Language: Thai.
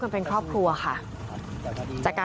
ผมยังอยากรู้ว่าว่ามันไล่ยิงคนทำไมวะ